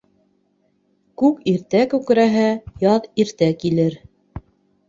Күк иртә күкрәһә, яҙ иртә килер.